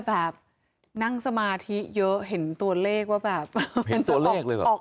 แบบนั่งสมาธิเยอะเห็นตัวเลขว่าแบบเห็นตัวเลขเลยเหรอ